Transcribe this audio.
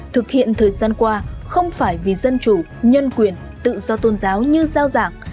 thực hiện thời gian qua không phải vì dân chủ nhân quyền tự do tôn giáo như giao giảng